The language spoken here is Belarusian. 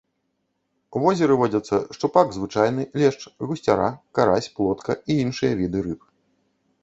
У возеры водзяцца шчупак звычайны, лешч, гусцяра, карась, плотка і іншыя віды рыб.